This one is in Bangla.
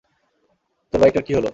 তোর বাইকটার কী হলো?